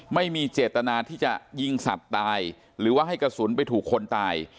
ไม่มีเจตนาที่จะยิงสัตว์ตายหรือว่าให้กระสุนไปถูกคนตาย